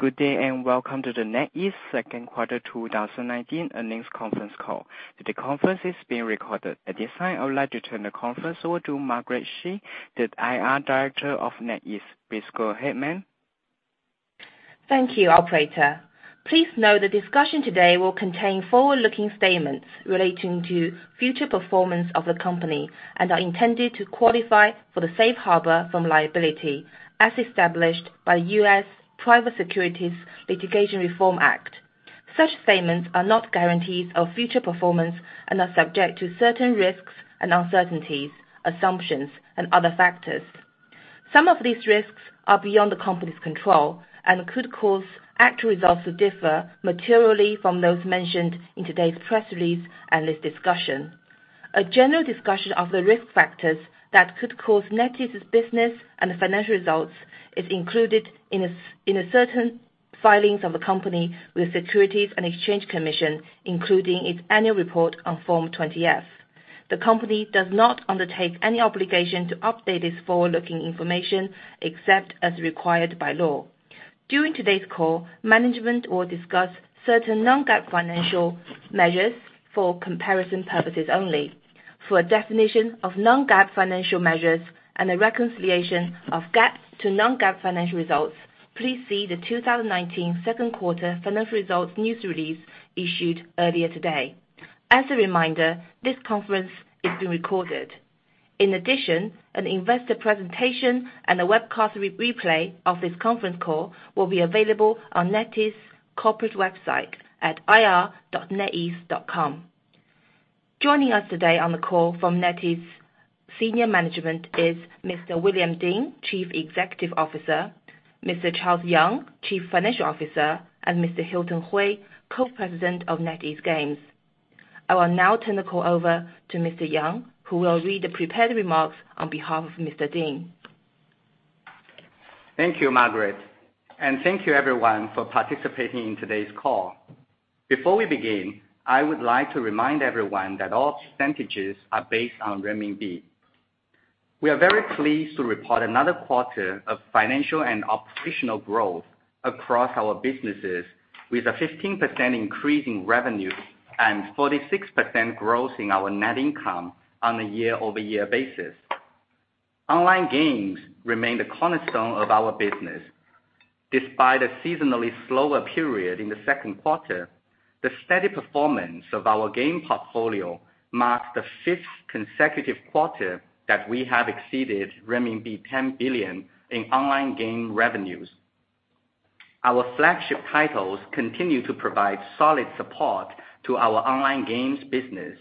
Good day, welcome to the NetEase second quarter 2019 earnings conference call. The conference is being recorded. At this time, I would like to turn the conference over to Margaret Shi, the IR Director of NetEase. Please go ahead, ma'am. Thank you, operator. Please note the discussion today will contain forward-looking statements relating to future performance of the company and are intended to qualify for the safe harbor from liability, as established by U.S. Private Securities Litigation Reform Act. Such statements are not guarantees of future performance and are subject to certain risks and uncertainties, assumptions, and other factors. Some of these risks are beyond the company's control and could cause actual results to differ materially from those mentioned in today's press release and this discussion. A general discussion of the risk factors that could cause NetEase's business and financial results is included in certain filings of a company with Securities and Exchange Commission, including its annual report on Form 20-F. The company does not undertake any obligation to update this forward-looking information except as required by law. During today's call, management will discuss certain non-GAAP financial measures for comparison purposes only. For a definition of non-GAAP financial measures and a reconciliation of GAAP to non-GAAP financial results, please see the 2019 second quarter financial results news release issued earlier today. As a reminder, this conference is being recorded. An investor presentation and a webcast replay of this conference call will be available on NetEase corporate website at ir.netease.com. Joining us today on the call from NetEase senior management is Mr. William Ding, Chief Executive Officer, Mr. Charles Yang, Chief Financial Officer, and Mr. Hilton Hui, Co-President of NetEase Games. I will now turn the call over to Mr. Yang, who will read the prepared remarks on behalf of Mr. Ding. Thank you, Margaret. Thank you, everyone, for participating in today's call. Before we begin, I would like to remind everyone that all percentages are based on CNY. We are very pleased to report another quarter of financial and operational growth across our businesses, with a 15% increase in revenue and 46% growth in our net income on a year-over-year basis. Online games remain the cornerstone of our business. Despite a seasonally slower period in the second quarter, the steady performance of our game portfolio marks the fifth consecutive quarter that we have exceeded renminbi 10 billion in online game revenues. Our flagship titles continue to provide solid support to our online games business.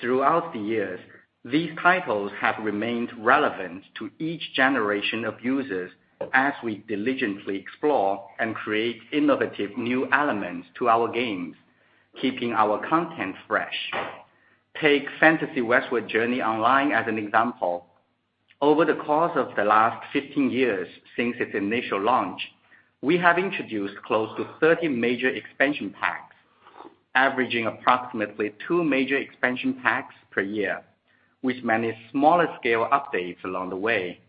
Throughout the years, these titles have remained relevant to each generation of users as we diligently explore and create innovative new elements to our games, keeping our content fresh. Take Fantasy Westward Journey online as an example. Over the course of the last 15 years since its initial launch, we have introduced close to 30 major expansion packs, averaging approximately two major expansion packs per year, with many smaller-scale updates along the way.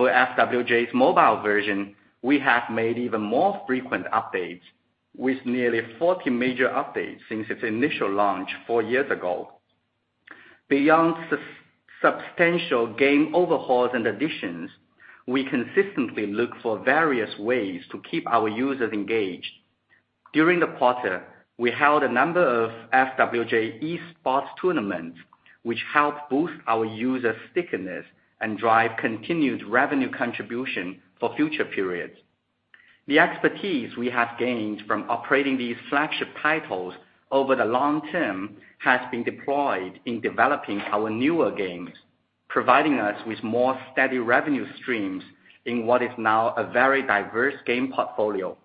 For FWJ's mobile version, we have made even more frequent updates, with nearly 40 major updates since its initial launch four years ago. Beyond substantial game overhauls and additions, we consistently look for various ways to keep our users engaged. During the quarter, we held a number of FWJ esports tournaments, which helped boost our user stickiness and drive continued revenue contribution for future periods. The expertise we have gained from operating these flagship titles over the long term has been deployed in developing our newer games, providing us with more steady revenue streams in what is now a very diverse game portfolio.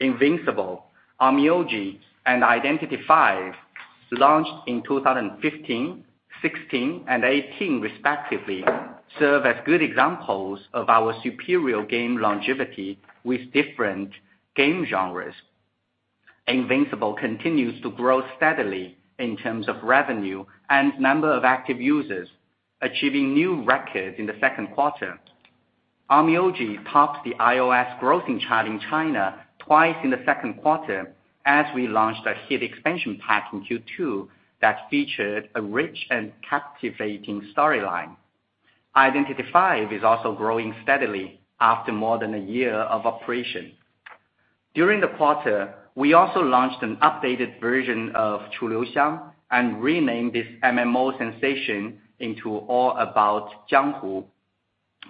Invincible, Onmyoji, and Identity V, launched in 2015, 2016, and 2018 respectively, serve as good examples of our superior game longevity with different game genres. Invincible continues to grow steadily in terms of revenue and number of active users, achieving new records in the second quarter. Onmyoji topped the iOS growth in China twice in the second quarter as we launched a hit expansion pack in Q2 that featured a rich and captivating storyline. Identity V is also growing steadily after more than a year of operation. During the quarter, we also launched an updated version of Chu Liu Xiang and renamed this MMO sensation into All About Jianghu.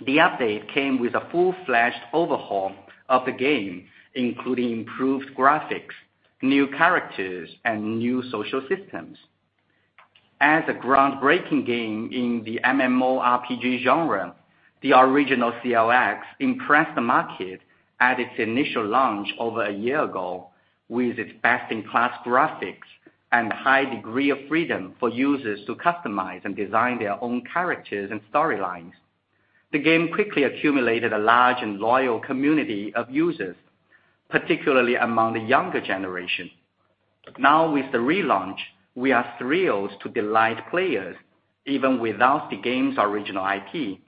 The update came with a full-fledged overhaul of the game, including improved graphics, new characters, and new social systems. As a groundbreaking game in the MMORPG genre, the original Chu Liu Xiang impressed the market at its initial launch over a year ago with its best-in-class graphics and high degree of freedom for users to customize and design their own characters and storylines. The game quickly accumulated a large and loyal community of users, particularly among the younger generation. Now with the relaunch, we are thrilled to delight players even without the game's original IP.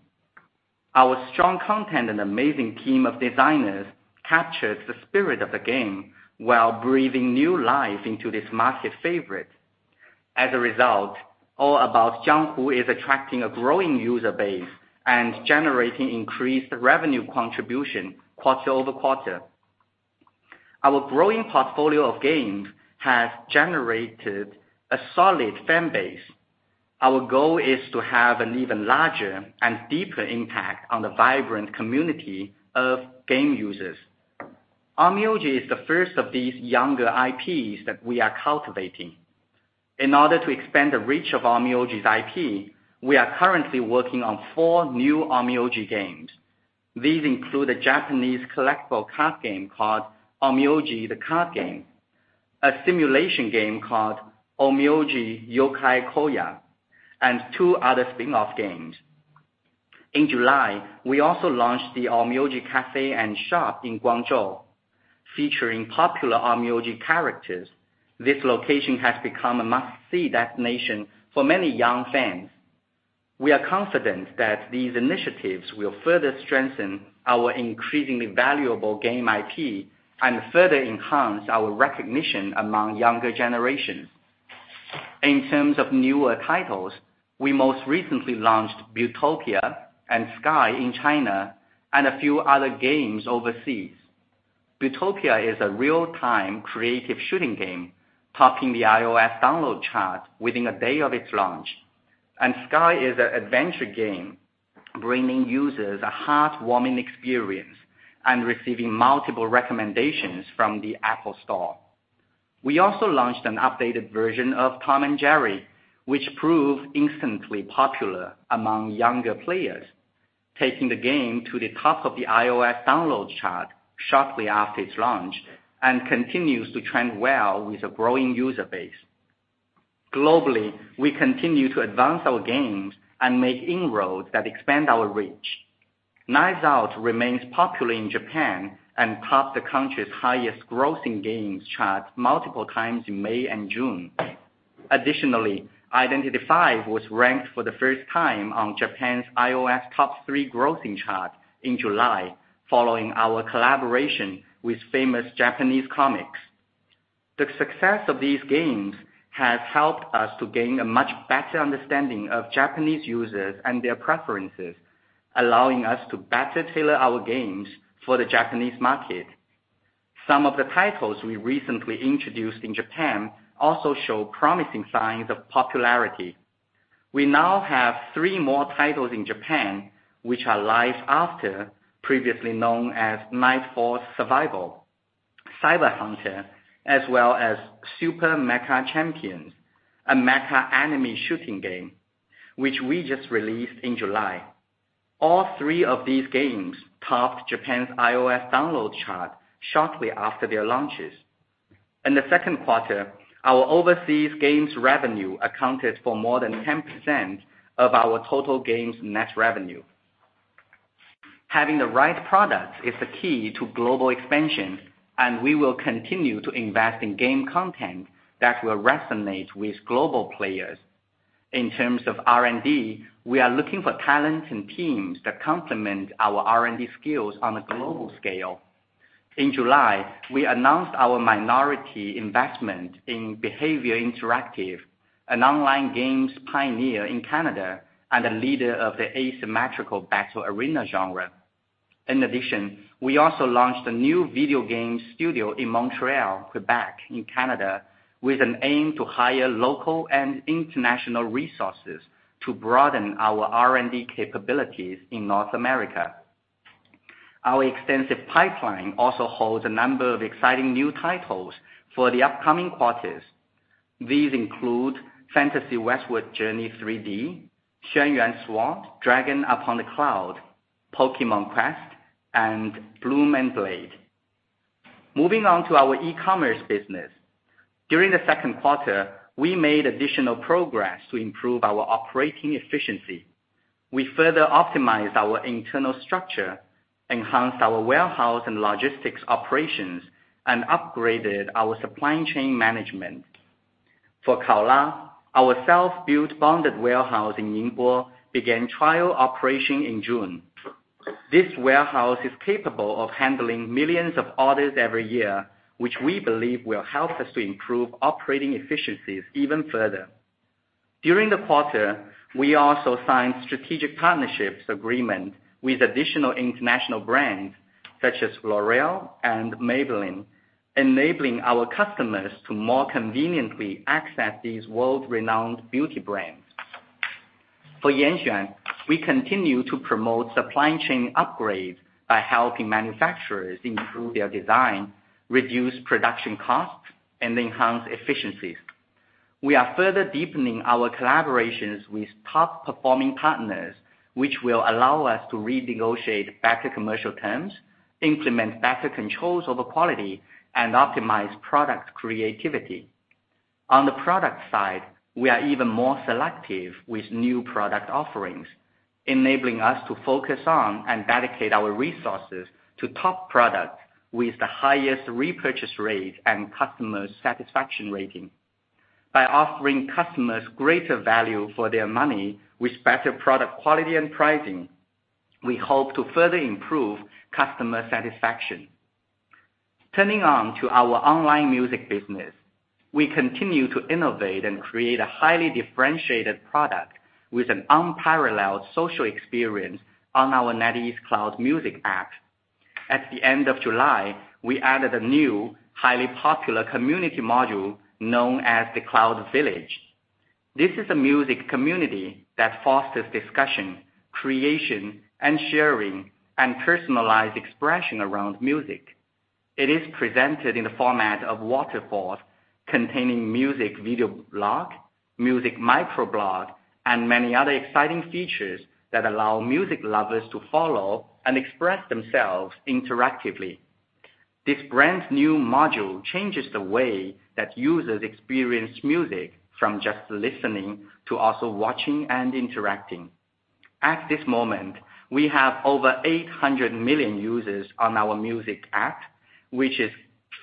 Our strong content and amazing team of designers captures the spirit of the game while breathing new life into this market favorite. As a result, All About Jianghu is attracting a growing user base and generating increased revenue contribution quarter-over-quarter. Our growing portfolio of games has generated a solid fan base. Our goal is to have an even larger and deeper impact on the vibrant community of game users. Onmyoji is the first of these younger IPs that we are cultivating. In order to expand the reach of Onmyoji's IP, we are currently working on four new Onmyoji games. These include a Japanese collectible card game called Onmyoji: The Card Game, a simulation game called Onmyoji: Yokai Koya, and two other spin-off games. In July, we also launched the Onmyoji cafe and shop in Guangzhou, featuring popular Onmyoji characters. This location has become a must-see destination for many young fans. We are confident that these initiatives will further strengthen our increasingly valuable game IP and further enhance our recognition among younger generations. In terms of newer titles, we most recently launched BuildTopia and Sky in China and a few other games overseas. BuildTopia is a real-time creative shooting game, topping the iOS download chart within a day of its launch. Sky is an adventure game, bringing users a heartwarming experience and receiving multiple recommendations from the Apple Store. We also launched an updated version of Tom and Jerry, which proved instantly popular among younger players, taking the game to the top of the iOS download chart shortly after its launch, and continues to trend well with a growing user base. Globally, we continue to advance our games and make inroads that expand our reach. Knives Out remains popular in Japan and topped the country's highest grossing games chart multiple times in May and June. Additionally, Identity V was ranked for the first time on Japan's iOS top 3 grossing chart in July, following our collaboration with famous Japanese comics. The success of these games has helped us to gain a much better understanding of Japanese users and their preferences, allowing us to better tailor our games for the Japanese market. Some of the titles we recently introduced in Japan also show promising signs of popularity. We now have three more titles in Japan, which are LifeAfter, previously known as Nightfall Survival, Cyber Hunter, as well as Super Mecha Champions, a mecha anime shooting game, which we just released in July. All three of these games topped Japan's iOS download chart shortly after their launches. In the second quarter, our overseas games revenue accounted for more than 10% of our total games net revenue. Having the right product is the key to global expansion, and we will continue to invest in game content that will resonate with global players. In terms of R&D, we are looking for talent and teams that complement our R&D skills on a global scale. In July, we announced our minority investment in Behaviour Interactive, an online games pioneer in Canada and a leader of the asymmetrical battle arena genre. In addition, we also launched a new video game studio in Montreal, Quebec, in Canada, with an aim to hire local and international resources to broaden our R&D capabilities in North America. Our extensive pipeline also holds a number of exciting new titles for the upcoming quarters. These include Fantasy Westward Journey 3D, Xuan Yuan Sword: Dragon Upon the Cloud, Pokémon Quest, and Bloom & Blade. Moving on to our e-commerce business. During the second quarter, we made additional progress to improve our operating efficiency. We further optimized our internal structure, enhanced our warehouse and logistics operations, and upgraded our supply chain management. For Kaola, our self-built bonded warehouse in Ningbo began trial operation in June. This warehouse is capable of handling millions of orders every year, which we believe will help us to improve operating efficiencies even further. During the quarter, we also signed strategic partnerships agreement with additional international brands such as L'Oréal and Maybelline, enabling our customers to more conveniently access these world-renowned beauty brands. For Yanxuan, we continue to promote supply chain upgrades by helping manufacturers improve their design, reduce production costs, and enhance efficiencies. We are further deepening our collaborations with top-performing partners, which will allow us to renegotiate better commercial terms, implement better controls over quality, and optimize product creativity. On the product side, we are even more selective with new product offerings, enabling us to focus on and dedicate our resources to top products with the highest repurchase rate and customer satisfaction rating. By offering customers greater value for their money with better product quality and pricing, we hope to further improve customer satisfaction. Turning on to our online music business. We continue to innovate and create a highly differentiated product with an unparalleled social experience on our NetEase Cloud Music app. At the end of July, we added a new highly popular community module known as the Cloud Village. This is a music community that fosters discussion, creation, and sharing, and personalized expression around music. It is presented in the format of waterfall containing music video blog, music microblog, and many other exciting features that allow music lovers to follow and express themselves interactively. This brand new module changes the way that users experience music from just listening to also watching and interacting. At this moment, we have over 800 million users on our music app, which is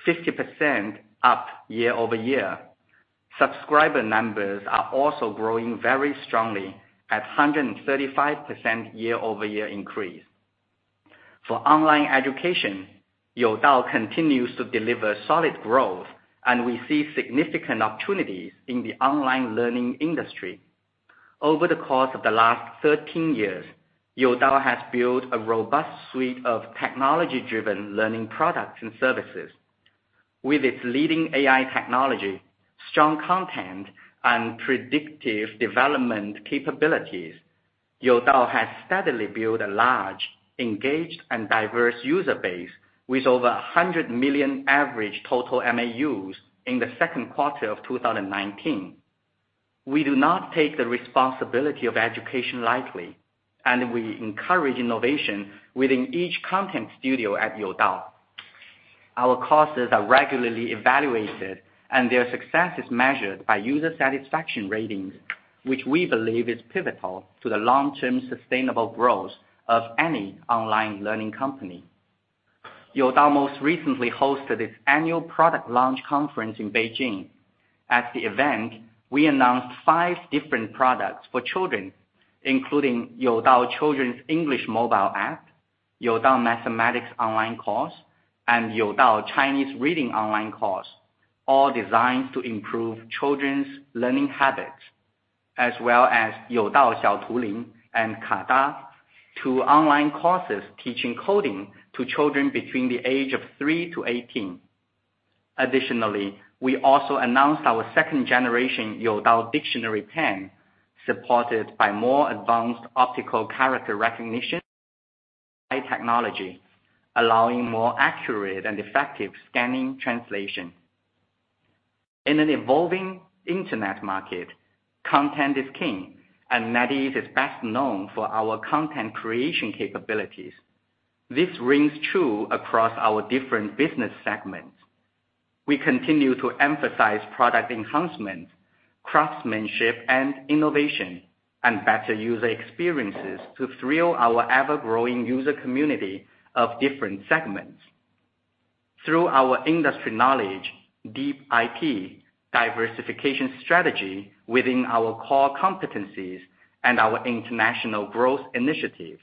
50% up year-over-year. Subscriber numbers are also growing very strongly at 135% year-over-year increase. For online education, Youdao continues to deliver solid growth, and we see significant opportunities in the online learning industry. Over the course of the last 13 years, Youdao has built a robust suite of technology-driven learning products and services. With its leading AI technology, strong content, and predictive development capabilities, Youdao has steadily built a large, engaged, and diverse user base with over 100 million average total MAUs in the second quarter of 2019. We do not take the responsibility of education lightly, and we encourage innovation within each content studio at Youdao. Our courses are regularly evaluated, and their success is measured by user satisfaction ratings, which we believe is pivotal to the long-term sustainable growth of any online learning company. Youdao most recently hosted its annual product launch conference in Beijing. At the event, we announced five different products for children, including Youdao Children's English Mobile App, Youdao Mathematics Online Course, and Youdao Chinese Reading Online Course, all designed to improve children's learning habits, as well as Youdao Kada, two online courses teaching coding to children between the age of three to 18. Additionally, we also announced our second generation Youdao Dictionary Pen, supported by more advanced optical character recognition AI technology, allowing more accurate and effective scanning translation. In an evolving internet market, content is king, and NetEase is best known for our content creation capabilities. This rings true across our different business segments. We continue to emphasize product enhancement, craftsmanship, and innovation, and better user experiences to thrill our ever-growing user community of different segments. Through our industry knowledge, deep IT diversification strategy within our core competencies, and our international growth initiatives,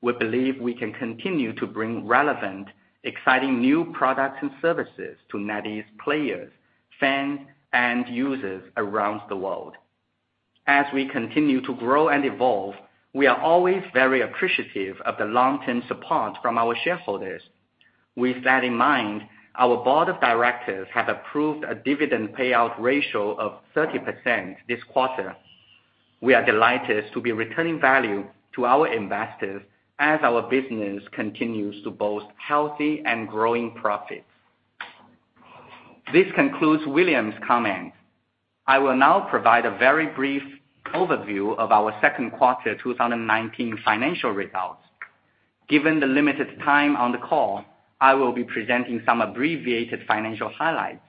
we believe we can continue to bring relevant, exciting new products and services to NetEase players, fans, and users around the world. As we continue to grow and evolve, we are always very appreciative of the long-term support from our shareholders. With that in mind, our board of directors have approved a dividend payout ratio of 30% this quarter. We are delighted to be returning value to our investors as our business continues to boast healthy and growing profits. This concludes William's comments. I will now provide a very brief overview of our second quarter 2019 financial results. Given the limited time on the call, I will be presenting some abbreviated financial highlights.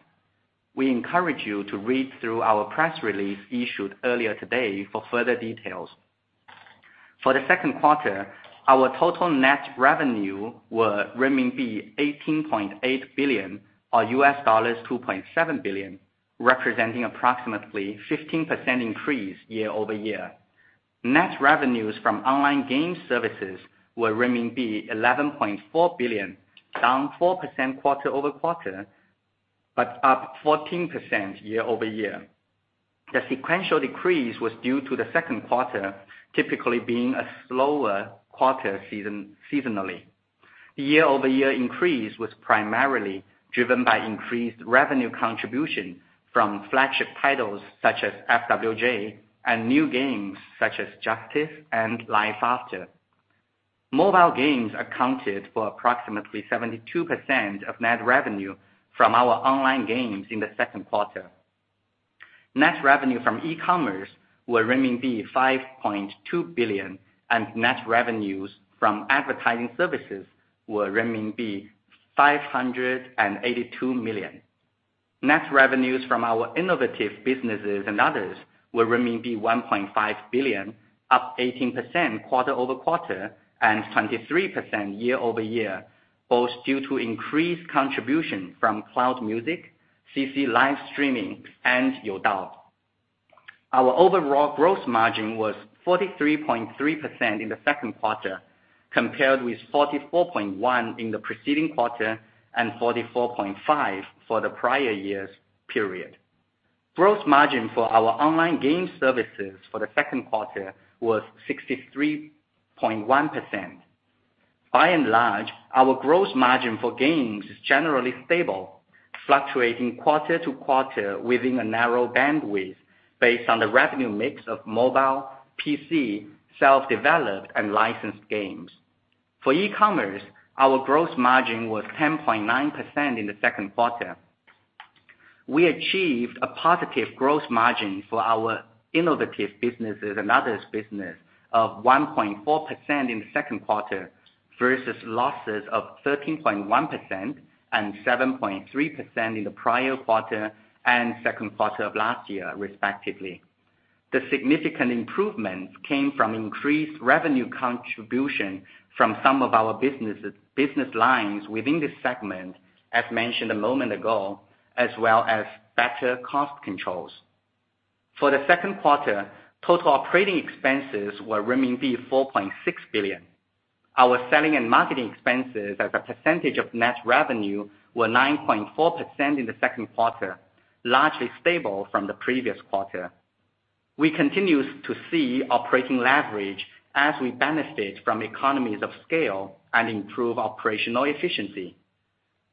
We encourage you to read through our press release issued earlier today for further details. For the second quarter, our total net revenue were renminbi 18.8 billion, or $2.7 billion, representing approximately 15% increase year-over-year. Net revenues from online game services were renminbi 11.4 billion, down 4% quarter-over-quarter, but up 14% year-over-year. The sequential decrease was due to the second quarter, typically being a slower quarter seasonally. The year-over-year increase was primarily driven by increased revenue contribution from flagship titles such as FWJ and new games such as Justice and LifeAfter. Mobile games accounted for approximately 72% of net revenue from our online games in the second quarter. Net revenue from e-commerce were 5.2 billion, and net revenues from advertising services were 582 million. Net revenues from our innovative businesses and others were 1.5 billion, up 18% quarter-over-quarter, and 23% year-over-year, both due to increased contribution from Cloud Music, CC Live Streaming, and Youdao. Our overall gross margin was 43.3% in the second quarter, compared with 44.1% in the preceding quarter and 44.5% for the prior year's period. Gross margin for our online game services for the second quarter was 63.1%. By and large, our gross margin for games is generally stable, fluctuating quarter-to-quarter within a narrow bandwidth based on the revenue mix of mobile, PC, self-developed, and licensed games. For e-commerce, our gross margin was 10.9% in the second quarter. We achieved a positive gross margin for our innovative businesses and others business of 1.4% in the second quarter versus losses of 13.1% and 7.3% in the prior quarter and second quarter of last year, respectively. The significant improvements came from increased revenue contribution from some of our business lines within this segment, as mentioned a moment ago, as well as better cost controls. For the second quarter, total operating expenses were renminbi 4.6 billion. Our selling and marketing expenses as a percentage of net revenue were 9.4% in the second quarter, largely stable from the previous quarter. We continue to see operating leverage as we benefit from economies of scale and improve operational efficiency.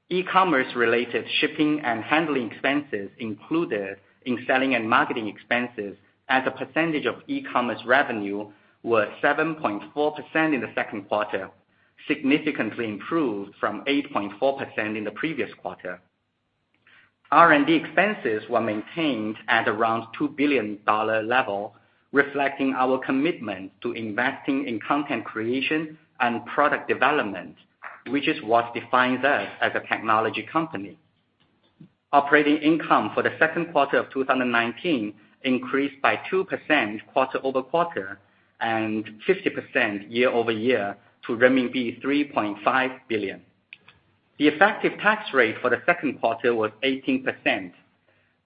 E-commerce related shipping and handling expenses included in selling and marketing expenses as a percentage of e-commerce revenue were 7.4% in the second quarter, significantly improved from 8.4% in the previous quarter. R&D expenses were maintained at around CNY 2 billion level, reflecting our commitment to investing in content creation and product development, which is what defines us as a technology company. Operating income for the second quarter of 2019 increased by 2% quarter-over-quarter and 50% year-over-year to renminbi 3.5 billion. The effective tax rate for the second quarter was 18%.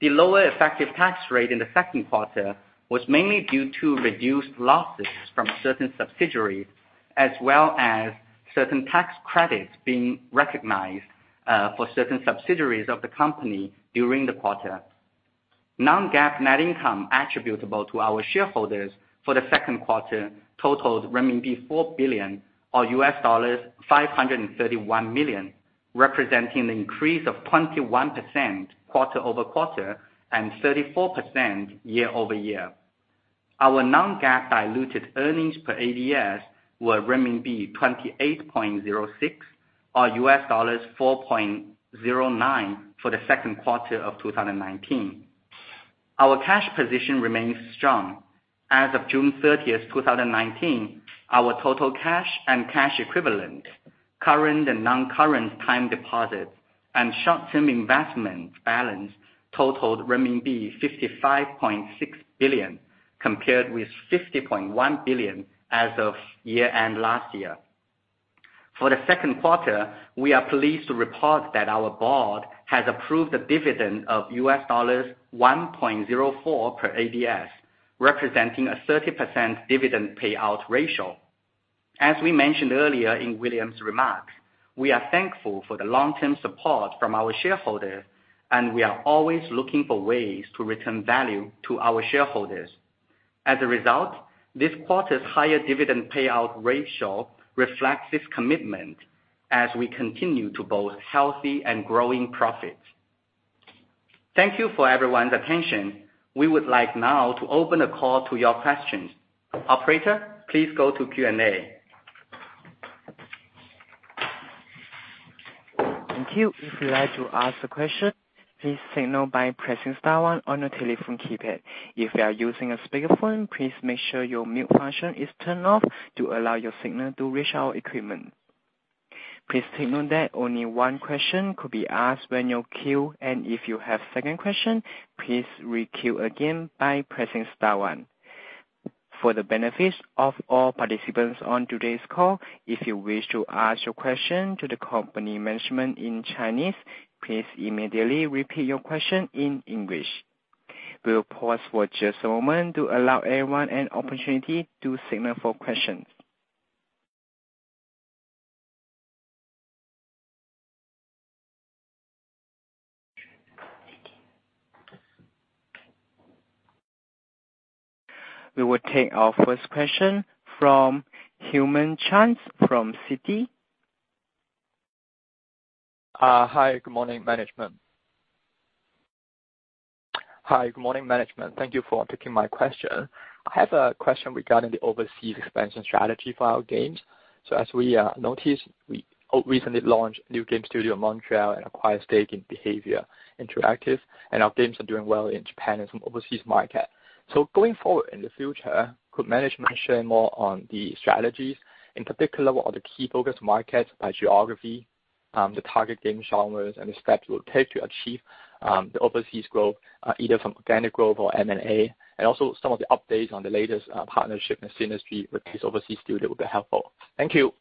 The lower effective tax rate in the second quarter was mainly due to reduced losses from certain subsidiaries, as well as certain tax credits being recognized for certain subsidiaries of the company during the quarter. Non-GAAP net income attributable to our shareholders for the second quarter totaled renminbi 4 billion, or $531 million, representing an increase of 21% quarter-over-quarter and 34% year-over-year. Our non-GAAP diluted earnings per ADS were renminbi 28.06 or $4.09 for the second quarter of 2019. Our cash position remains strong. As of June 30th, 2019, our total cash and cash equivalents, current and non-current time deposits, and short-term investment balance totaled renminbi 55.6 billion, compared with 50.1 billion as of year-end last year. For the second quarter, we are pleased to report that our board has approved a dividend of US$1.04 per ADS, representing a 30% dividend payout ratio. As we mentioned earlier in William's remarks, we are thankful for the long-term support from our shareholders, we are always looking for ways to return value to our shareholders. As a result, this quarter's higher dividend payout ratio reflects this commitment as we continue to boast healthy and growing profits. Thank you for everyone's attention. We would like now to open the call to your questions. Operator, please go to Q&A. Thank you. If you'd like to ask a question, please signal by pressing star one on your telephone keypad. If you are using a speakerphone, please make sure your mute function is turned off to allow your signal to reach our equipment. Please take note that only one question could be asked when you're queued, and if you have second question, please requeue again by pressing star one. For the benefit of all participants on today's call, if you wish to ask your question to the company management in Chinese, please immediately repeat your question in English. We will pause for just a moment to allow everyone an opportunity to signal for questions. We will take our first question from Alicia Yap from Citi. Hi, good morning, management. Thank you for taking my question. I have a question regarding the overseas expansion strategy for our games. As we noticed, we recently launched a new game studio in Montreal and acquired a stake in Behaviour Interactive, and our games are doing well in Japan and some overseas markets. Going forward in the future, could management share more on the strategies? In particular, what are the key focus markets by geography, the target game genres, and the steps we'll take to achieve the overseas growth, either from organic growth or M&A. Also some of the updates on the latest partnership in the industry with this overseas studio would be helpful. Thank you.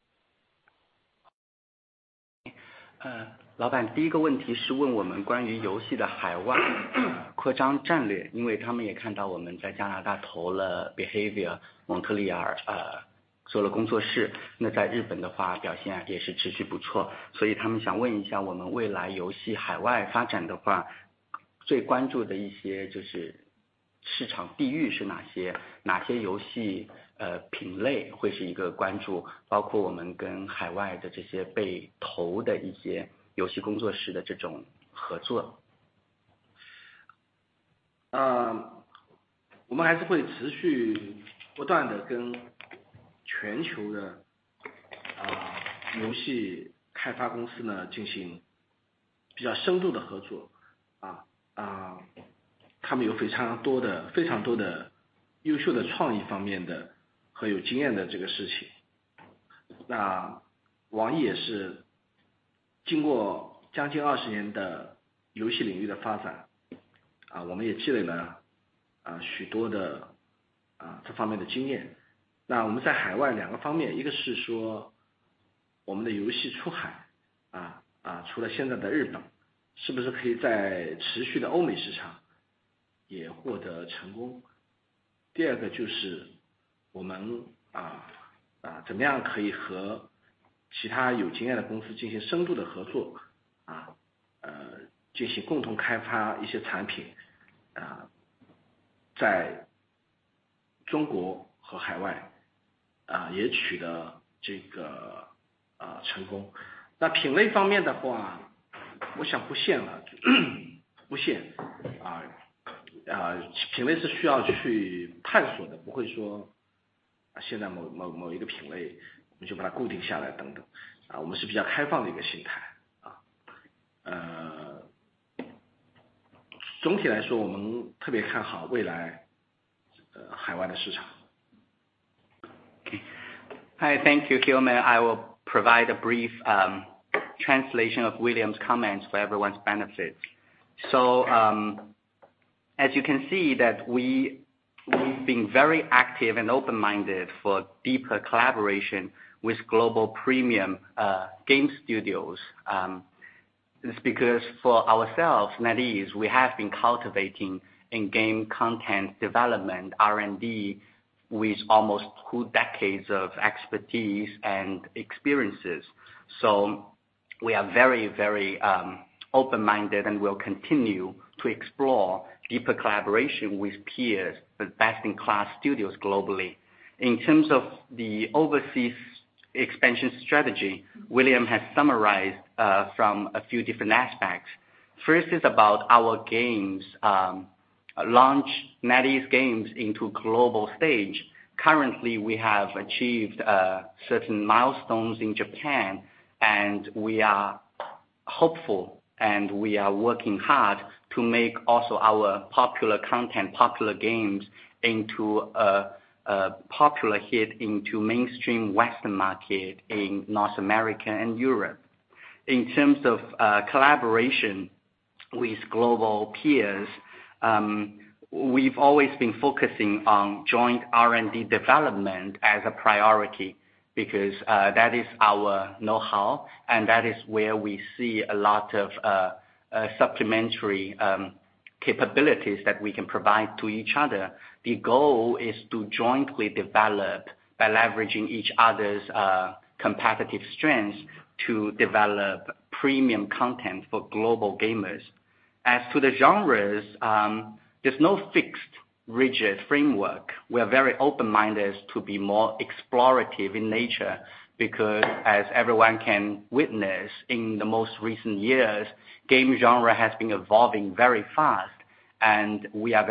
Thank you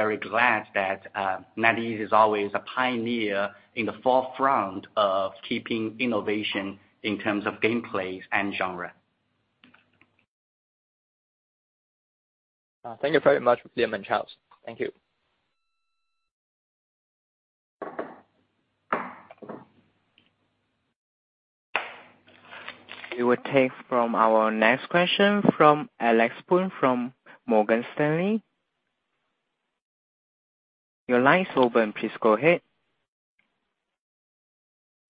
very much, William and Charles. Thank you. We will take our next question from Alex Poon from Morgan Stanley. Your line is open. Please go ahead.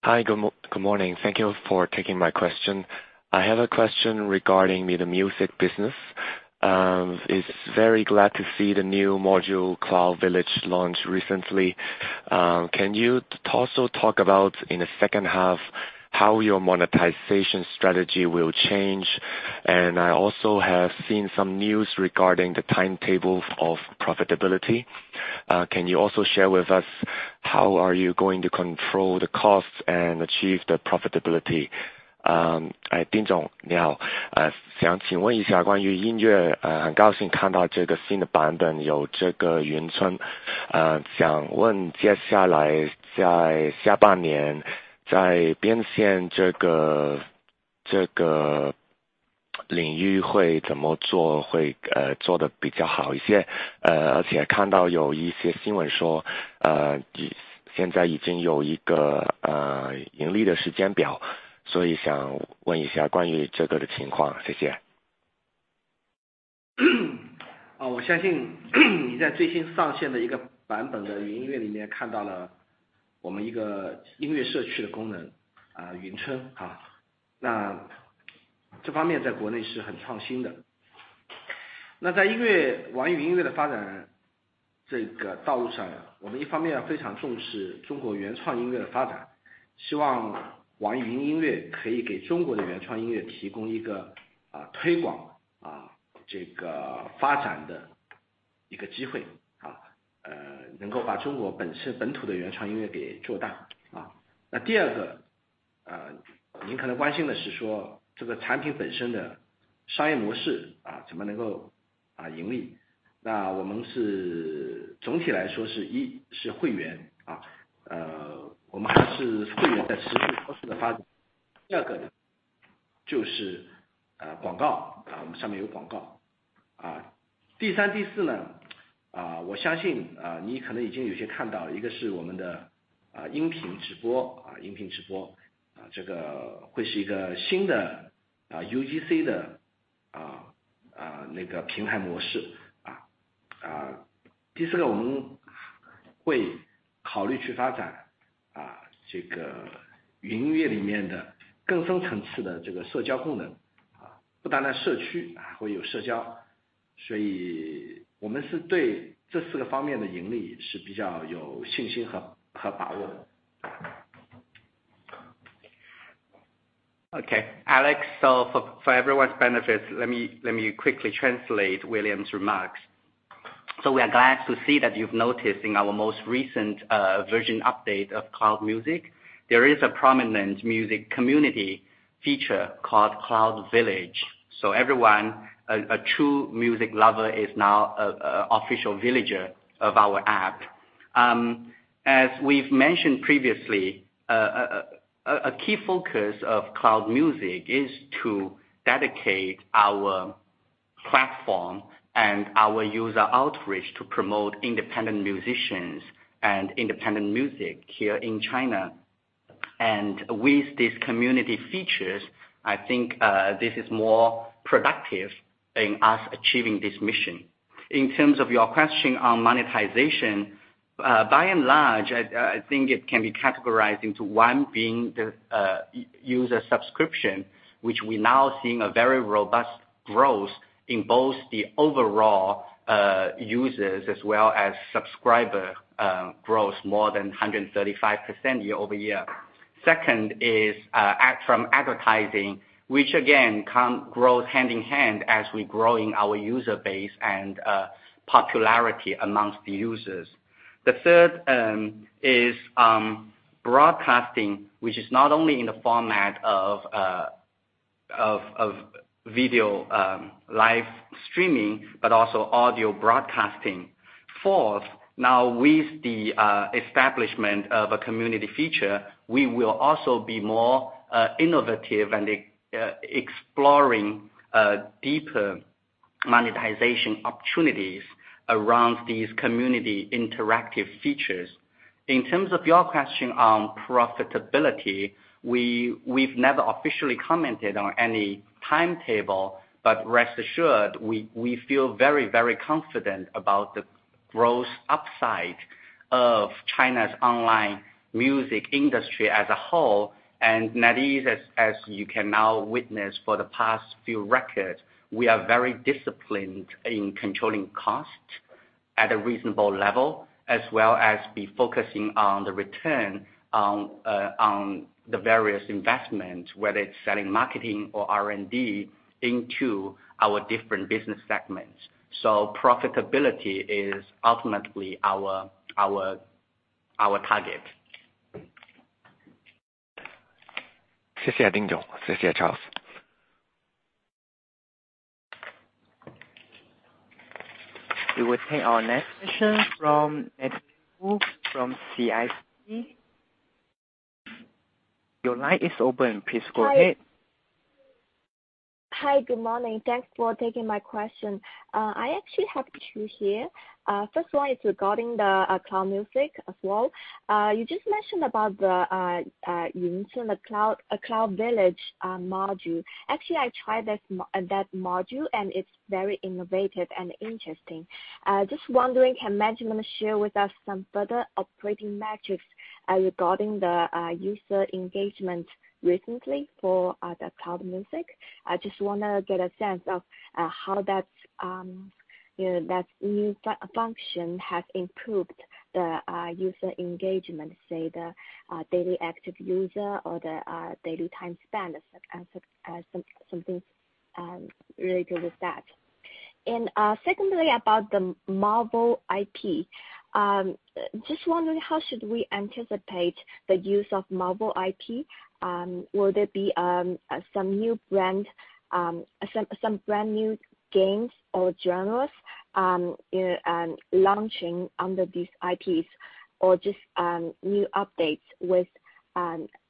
Hi, good morning. Thank you for taking my question. I have a question regarding the music business. It's very glad to see the new module Cloud Village launch recently. Can you also talk about in the second half how your monetization strategy will change? I also have seen some news regarding the timetable of profitability. Can you also share with us how are you going to control the costs and achieve the profitability? Okay, Alex, for everyone's benefit, let me quickly translate William's remarks. We are glad to see that you've noticed in our most recent version update of Cloud Music, there is a prominent music community feature called Cloud Village. Everyone, a true music lover, is now an official villager of our app. As we've mentioned previously, a key focus of Cloud Music is to dedicate our platform and our user outreach to promote independent musicians and independent music here in China. With these community features, I think this is more productive in us achieving this mission. In terms of your question on monetization, by and large, I think it can be categorized into one being the user subscription, which we now seeing a very robust growth in both the overall users as well as subscriber growth more than 135% year-over-year. Second is from advertising, which again, can grow hand in hand as we're growing our user base and popularity amongst the users. The third is broadcasting, which is not only in the format of video live streaming, but also audio broadcasting. Fourth, now with the establishment of a community feature, we will also be more innovative and exploring deeper monetization opportunities around these community interactive features. In terms of your question on profitability, we've never officially commented on any timetable, but rest assured, we feel very, very confident about the growth upside of China's online music industry as a whole, and that is, as you can now witness for the past few records, we are very disciplined in controlling costs at a reasonable level, as well as be focusing on the return on the various investments, whether it's selling, marketing or R&D into our different business segments. Profitability is ultimately our target. 谢谢丁总。谢谢Charles。We will take our next question from CICC. Your line is open. Please go ahead. Hi. Good morning. Thanks for taking my question. I actually have two here. First one is regarding the Cloud Music as well. You just mentioned about the Cloud Village module. Actually, I tried that module, and it's very innovative and interesting. Just wondering, can management share with us some further operating metrics regarding the user engagement recently for the Cloud Music? I just want to get a sense of how that new function has improved the user engagement, say the daily active user or the daily time spent, something related with that. Secondly, about the Marvel IP, just wondering how should we anticipate the use of Marvel IP? Will there be some brand new games or genres launching under these IPs or just new updates with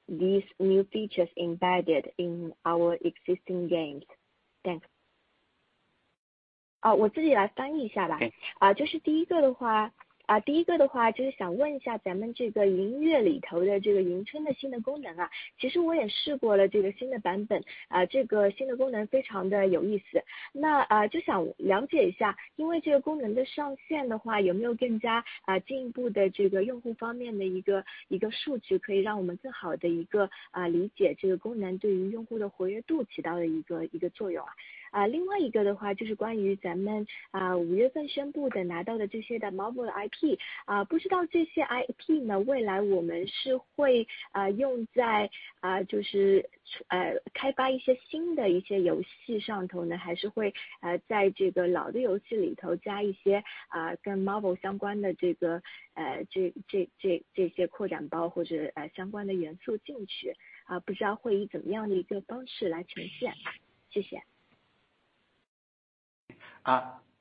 these new features embedded in our existing games? Thanks.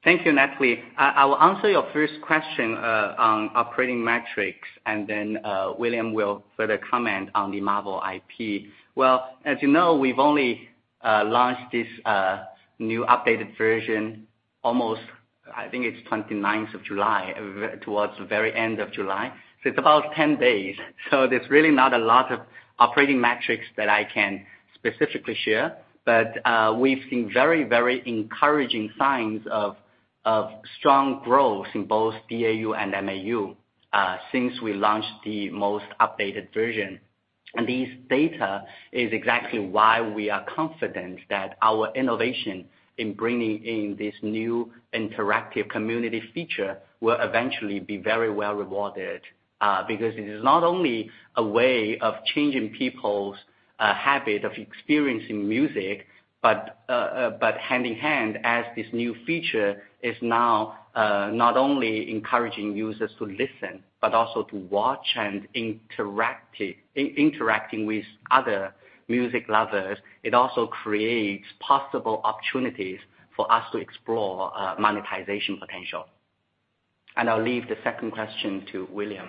Thank you, Natalie. I will answer your first question on operating metrics and then William will further comment on the Marvel IP. Well, as you know, we've only launched this new updated version almost, I think it's 29th of July, towards the very end of July. It's about 10 days. There's really not a lot of operating metrics that I can specifically share. We've seen very encouraging signs of strong growth in both DAU and MAU since we launched the most updated version. This data is exactly why we are confident that our innovation in bringing in this new interactive community feature will eventually be very well rewarded, because it is not only a way of changing people's habit of experiencing music, but hand in hand as this new feature is now not only encouraging users to listen, but also to watch and interacting with other music lovers. It also creates possible opportunities for us to explore monetization potential. I'll leave the second question to William.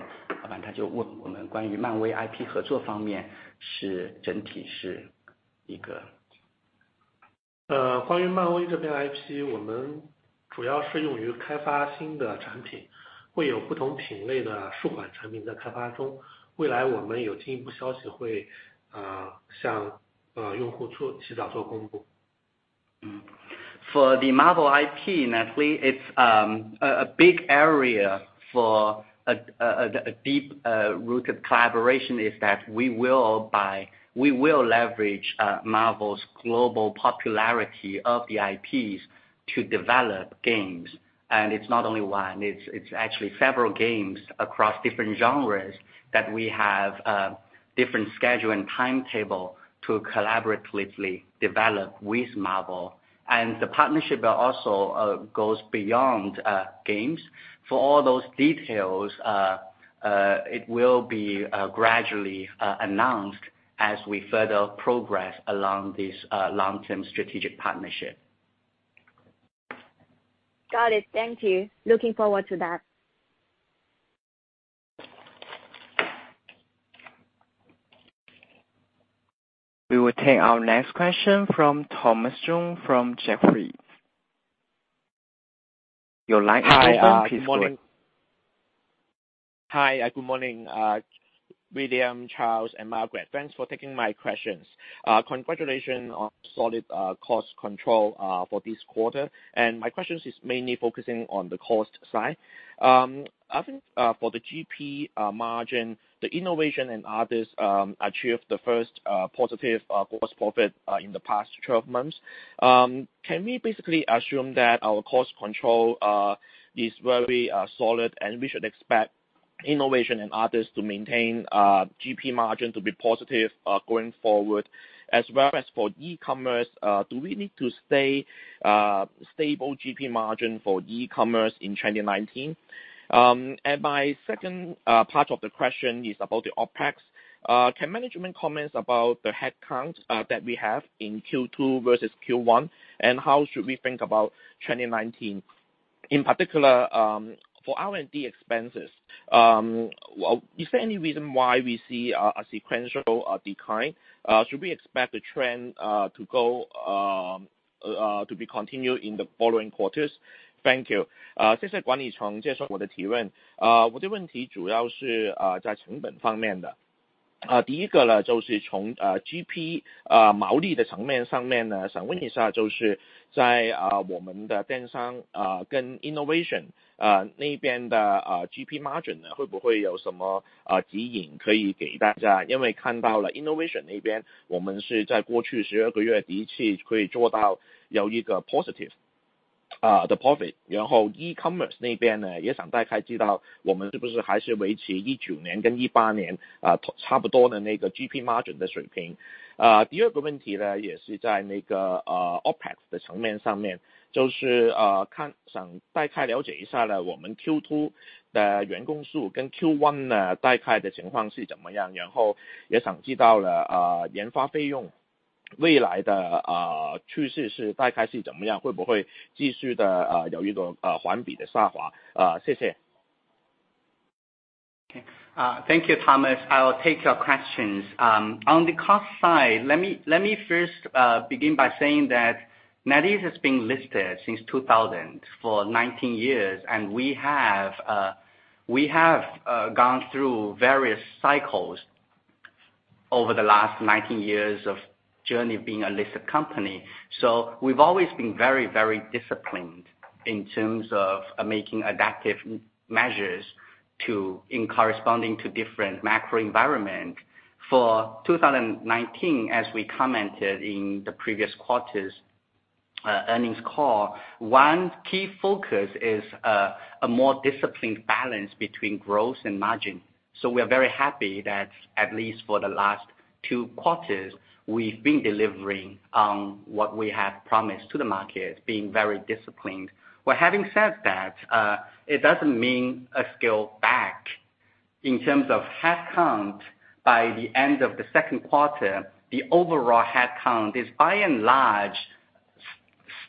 For the Marvel IP, Natalie, it's a big area for a deep-rooted collaboration, is that we will leverage Marvel's global popularity of the IPs to develop games. It's not only one, it's actually several games across different genres that we have different schedule and timetable to collaboratively develop with Marvel. The partnership also goes beyond games. For all those details, it will be gradually announced as we further progress along this long-term strategic partnership. Got it. Thank you. Looking forward to that. We will take our next question from Thomas Chong from Jefferies. Your line is open. Please go ahead. Hi, good morning. William, Charles, and Margaret. Thanks for taking my questions. Congratulations on solid cost control for this quarter. My questions are mainly focusing on the cost side. I think for the GP margin, the innovation and others achieve the first positive gross profit in the past 12 months. Can we basically assume that our cost control is very solid and we should expect innovation and others to maintain GP margin to be positive going forward as well as for e-commerce, do we need to stay stable GP margin for e-commerce in 2019? My second part of the question is about the OpEx. Can management comment about the headcount that we have in Q2 versus Q1, and how should we think about 2019? In particular, for R&D expenses, is there any reason why we see a sequential decline? Should we expect the trend to be continued in the following quarters? Thank you. 然后e-commerce那边呢，也想大概知道我们是不是还是维持19年跟18年差不多的那个GP Thank you, Thomas. I will take your questions. On the cost side, let me first begin by saying that NetEase has been listed since 2000, for 19 years, and we have gone through various cycles over the last 19 years of journey being a listed company. We've always been very disciplined in terms of making adaptive measures in corresponding to different macro environment. For 2019, as we commented in the previous quarter's earnings call, one key focus is a more disciplined balance between growth and margin. We are very happy that at least for the last two quarters, we've been delivering on what we have promised to the market, being very disciplined. Well, having said that, it doesn't mean a scale back. In terms of headcount, by the end of the second quarter, the overall headcount is by and large,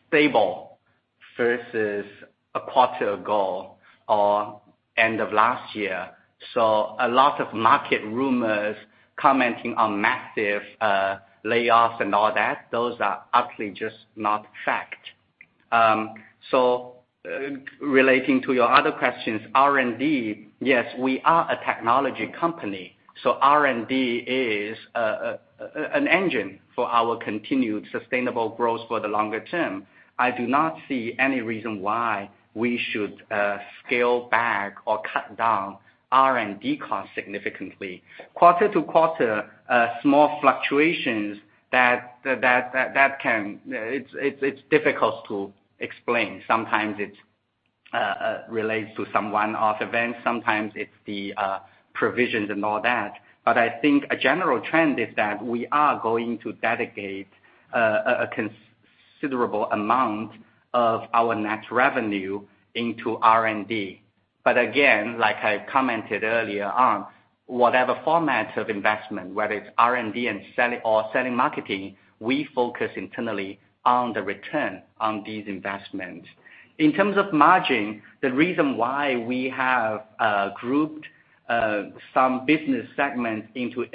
stable versus a quarter ago or end of last year. A lot of market rumors commenting on massive layoffs and all that, those are utterly just not fact. Relating to your other questions, R&D, yes, we are a technology company, so R&D is an engine for our continued sustainable growth for the longer term. I do not see any reason why we should scale back or cut down R&D costs significantly. Quarter to quarter, small fluctuations, it's difficult to explain. Sometimes it relates to some one-off events, sometimes it's the provisions and all that. I think a general trend is that we are going to dedicate a considerable amount of our net revenue into R&D. Again, like I commented earlier on, whatever format of investment, whether it's R&D or selling, marketing, we focus internally on the return on these investments. In terms of margin, the reason why we have grouped some business segments into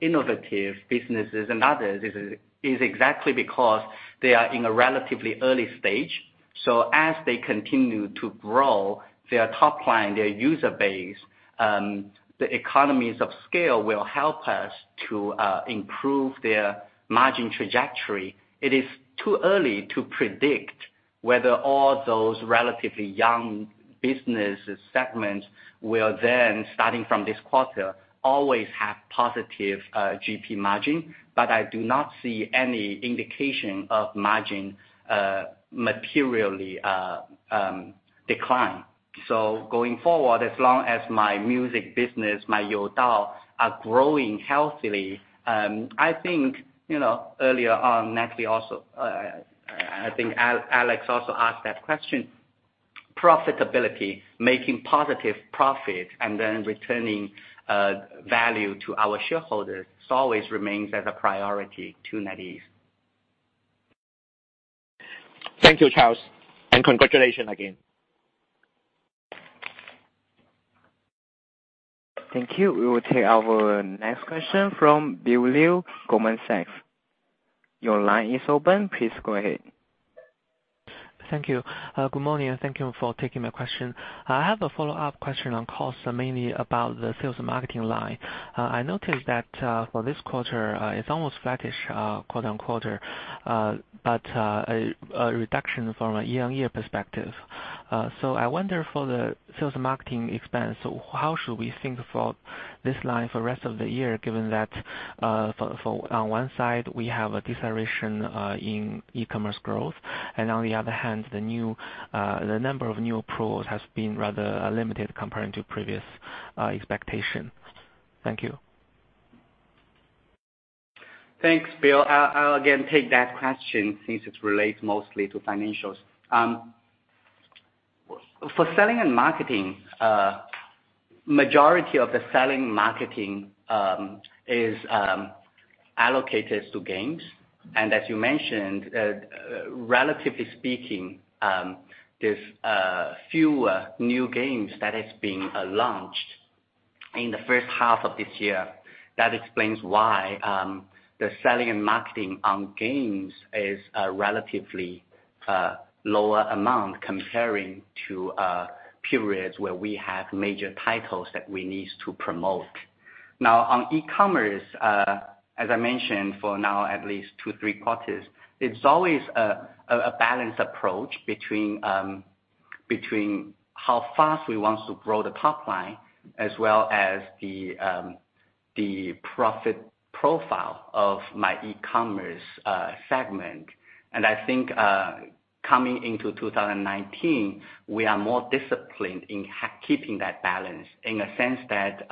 innovative businesses and others is exactly because they are in a relatively early stage. As they continue to grow their top line, their user base, the economies of scale will help us to improve their margin trajectory. It is too early to predict whether all those relatively young business segments will then, starting from this quarter, always have positive GP margin, but I do not see any indication of margin materially decline. going forward, as long as my music business, my Youdao, are growing healthily, I think earlier on, I think Alex also asked that question, profitability, making positive profit, returning value to our shareholders always remains as a priority to NetEase. Thank you, Charles, and congratulations again. Thank you. We will take our next question from Bill Pang, Goldman Sachs. Your line is open. Please go ahead. Thank you. Good morning, and thank you for taking my question. I have a follow-up question on costs, mainly about the sales and marketing line. I noticed that for this quarter, it's almost flattish quarter-on-quarter, but a reduction from a year-on-year perspective. I wonder for the sales and marketing expense, how should we think for this line for the rest of the year, given that on one side, we have a deceleration in e-commerce growth, and on the other hand, the number of new approvals has been rather limited compared to previous expectations. Thank you. Thanks, Bill. I'll again take that question since it relates mostly to financials. For selling and marketing, majority of the selling and marketing is allocated to games, and as you mentioned, relatively speaking, there's fewer new games that is being launched in the first half of this year. That explains why the selling and marketing on games is a relatively lower amount comparing to periods where we have major titles that we need to promote. Now on e-commerce, as I mentioned, for now, at least two, three quarters, it's always a balanced approach between how fast we want to grow the top line as well as the profit profile of my e-commerce segment. I think coming into 2019, we are more disciplined in keeping that balance in the sense that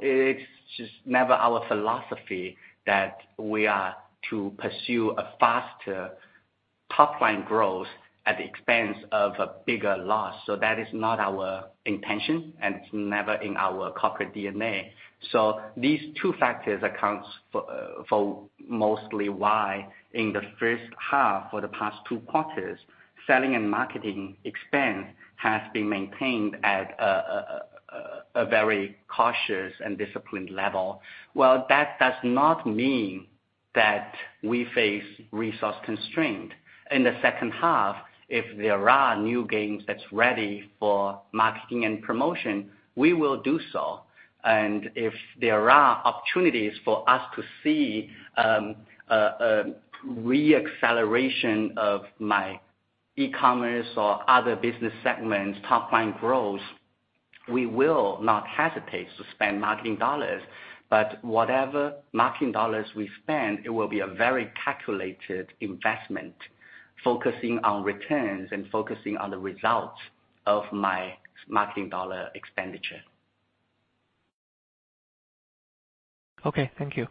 it's just never our philosophy that we are to pursue a faster top-line growth at the expense of a bigger loss. That is not our intention, and it's never in our corporate DNA. These two factors accounts for mostly why in the first half or the past two quarters, selling and marketing expense has been maintained at a very cautious and disciplined level. Well, that does not mean that we face resource constraint. In the second half, if there are new games that's ready for marketing and promotion, we will do so. If there are opportunities for us to see a re-acceleration of my e-commerce or other business segments top-line growth, we will not hesitate to spend marketing dollars. Whatever marketing dollars we spend, it will be a very calculated investment, focusing on returns and focusing on the results of my marketing dollar expenditure. Okay. Thank you.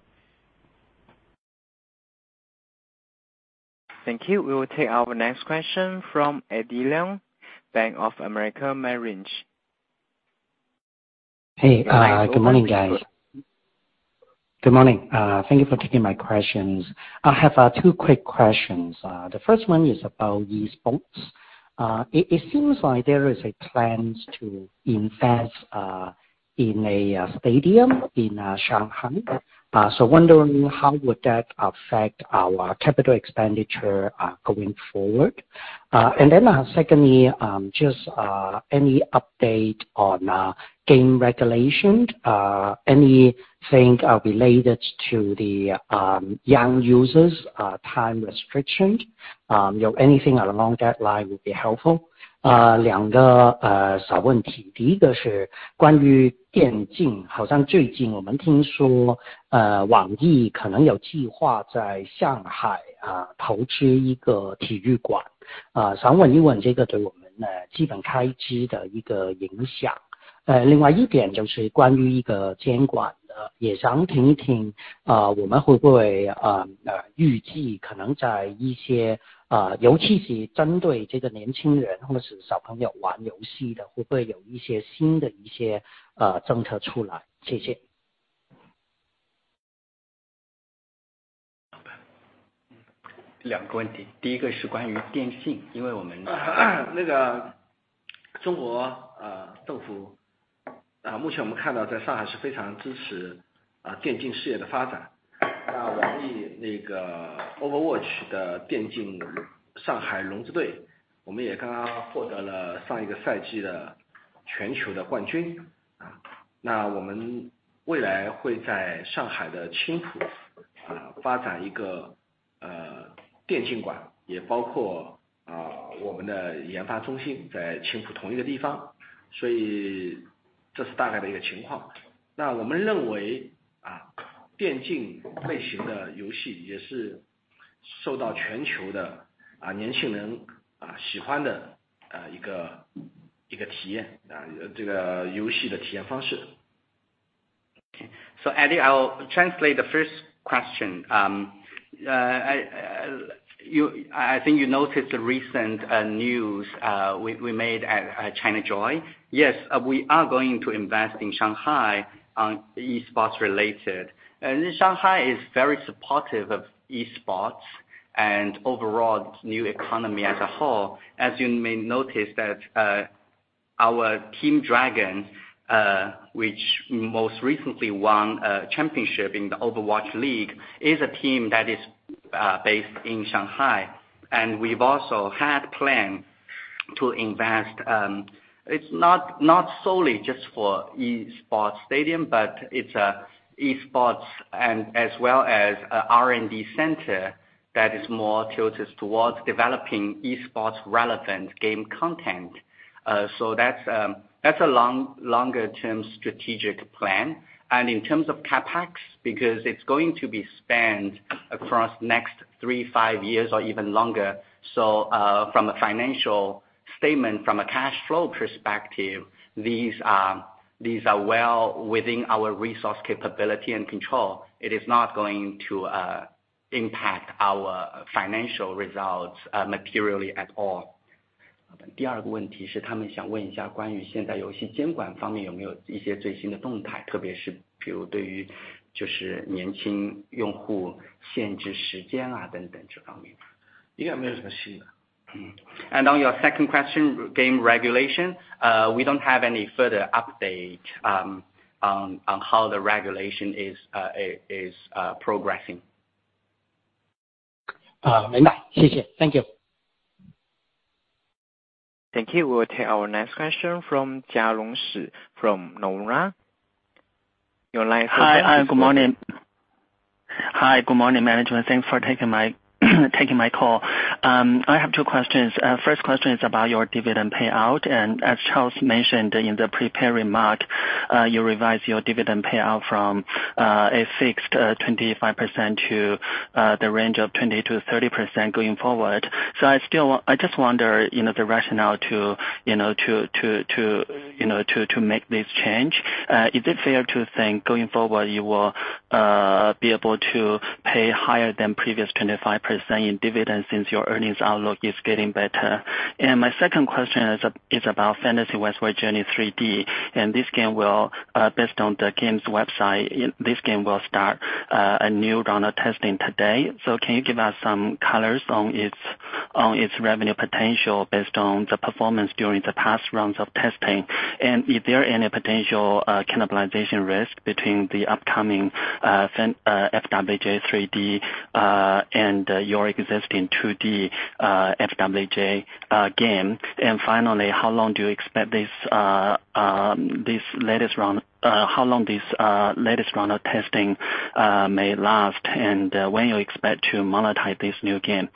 Thank you. We will take our next question from Eddie Leung, Bank of America Merrill Lynch. Hey, good morning, guys. Good morning. Thank you for taking my questions. I have two quick questions. The first one is about esports. It seems like there is a plan to invest in a stadium in Shanghai. I am wondering how would that affect our capital expenditure going forward. Secondly, just any update on game regulation, anything related to the young users' time restriction. Anything along that line would be helpful. Eddie, I will translate the first question. I think you noticed the recent news we made at ChinaJoy. Yes, we are going to invest in Shanghai on esports related. Shanghai is very supportive of esports and overall new economy as a whole. As you may notice that our Shanghai Dragons, which most recently won a championship in the Overwatch League, is a team that is based in Shanghai, and we've also had plan to invest. It's not solely just for esports stadium, but it's esports as well as a R&D center that is more tilted towards developing esports-relevant game content. That's a longer-term strategic plan. In terms of CapEx, because it's going to be spent across next three, five years or even longer, from a financial statement, from a cash flow perspective, these are well within our resource capability and control. It is not going to impact our financial results materially at all. On your second question, game regulation, we don't have any further update on how the regulation is progressing. Thank you. Thank you. We will take our next question from Jialong Shi from Nomura. Your line. Hi, good morning. Hi, good morning, management. Thanks for taking my call. I have two questions. First question is about your dividend payout. As Charles mentioned in the prepared remark, you revised your dividend payout from a fixed 25% to the range of 20%-30% going forward. I just wonder, the rationale to make this change. Is it fair to think, going forward, you will be able to pay higher than previous 25% in dividends since your earnings outlook is getting better? My second question is about Fantasy Westward Journey 3D. Based on the game's website, this game will start a new round of testing today. Can you give us some colors on its revenue potential, based on the performance during the past rounds of testing? Is there any potential cannibalization risk between the upcoming FWJ 3D and your existing 2D FWJ game? Finally, how long do you expect this latest round of testing may last? When you expect to monetize this new game?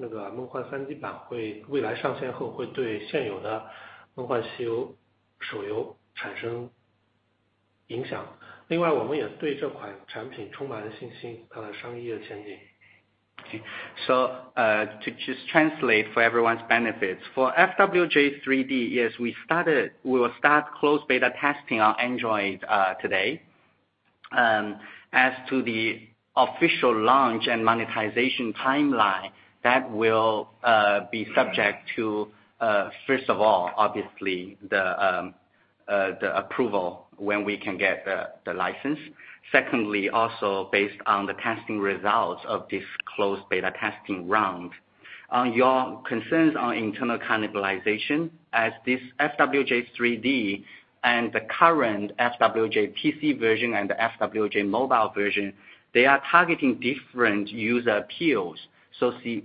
To just translate for everyone's benefits, for FWJ 3D, yes, we will start closed beta testing on Android today. As to the official launch and monetization timeline, that will be subject to first of all, obviously, the approval, when we can get the license. Secondly, also based on the testing results of this closed beta testing round. On your concerns on internal cannibalization, as this FWJ 3D and the current FWJ PC version and the FWJ mobile version, they are targeting different user appeals.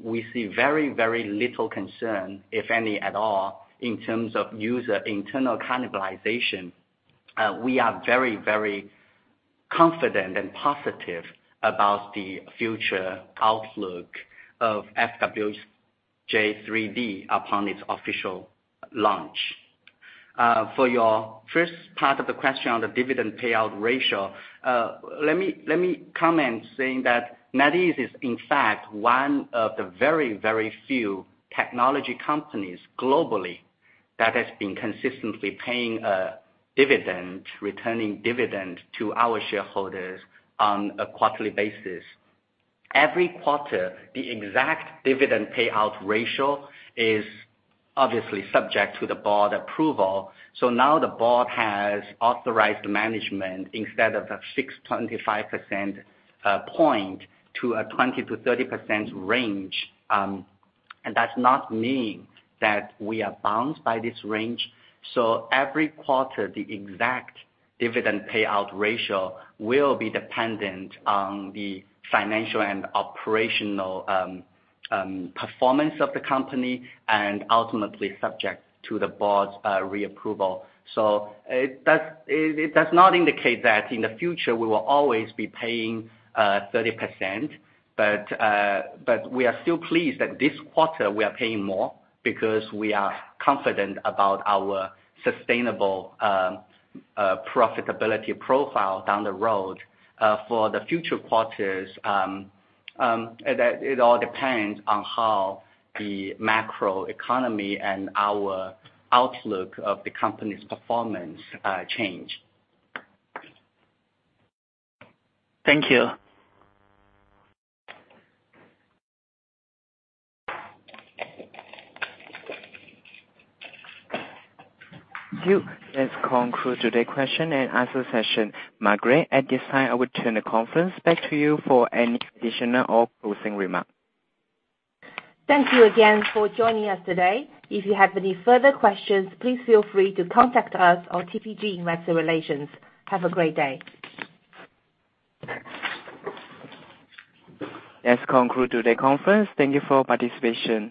We see very little concern, if any at all, in terms of user internal cannibalization. We are very confident and positive about the future outlook of FWJ 3D upon its official launch. For your first part of the question on the dividend payout ratio, let me comment saying that NetEase is in fact one of the very, very few technology companies globally that has been consistently paying a dividend, returning dividend to our shareholders on a quarterly basis. Every quarter, the exact dividend payout ratio is obviously subject to the board approval. Now the board has authorized management, instead of a fixed 25% point to a 20%-30% range. That's not mean that we are bound by this range. Every quarter, the exact dividend payout ratio will be dependent on the financial and operational performance of the company, and ultimately subject to the board's reapproval. It does not indicate that in the future we will always be paying 30%. We are still pleased that this quarter we are paying more because we are confident about our sustainable profitability profile down the road. For the future quarters, it all depends on how the macro economy and our outlook of the company's performance change. Thank you. Thank you. Let's conclude today question and answer session. Margaret, at this time, I would turn the conference back to you for any additional or closing remark. Thank you again for joining us today. If you have any further questions, please feel free to contact us or TPG Investor Relations. Have a great day. Let's conclude today conference. Thank you for participation.